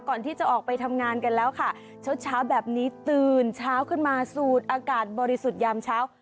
ก่อนที่จะออกไปทำงานกันแล้วค่ะเช้าเช้าแบบนี้ตื่นเช้าขึ้นมาสูดอากาศบริสุทธิ์ยามเช้า